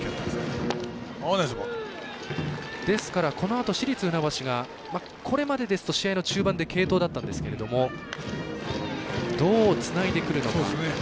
このあと、市立船橋がこれまでですと試合の中盤で継投だったんですけれどもどうつないでくるのか。